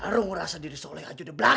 baru ngerasa diri seolah olah udah berlaku loh